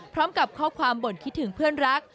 พร้อมกับข้อความบ่นคิดถึงเพื่อนรัก